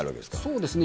そうですね。